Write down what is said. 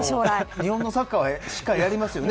日本のサッカーはしっかりやりますよね。